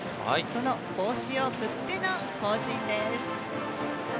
その帽子を振っての行進です。